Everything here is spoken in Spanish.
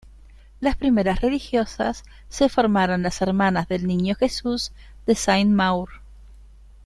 Las primeras religiosas se formaron las Hermanas del Niño Jesús de Saint-Maur.